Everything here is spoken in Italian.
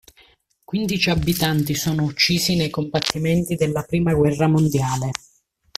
Quindici abitanti sono uccisi nei combattimenti della Prima Guerra mondiale.